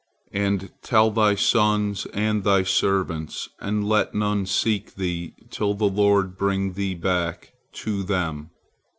And tell thy sons and thy servants, and let none seek thee, till the Lord bring thee back to them."